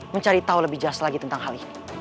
mencari tahu lebih jelas lagi tentang hal ini